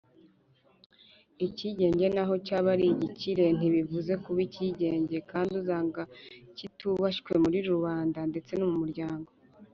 icyigenge naho cyaba ari igikire ntibikibuza kuba ikigenge kandi uzanga kitubashywe muri rubanda ndetse no mumuryango.